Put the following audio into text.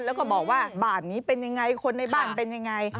แล้วก็บอกว่าบ่านนี้เป็นอย่างไรคนในบ่านเป็นอย่างไร